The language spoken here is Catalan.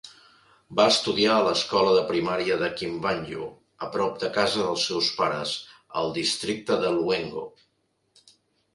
Va estudiar a l'escola de primària de Kimwanyu, a prop de casa dels seus pares, al districte de Lwengo.